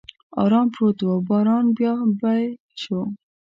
ارام پروت و، باران بیا پیل شو.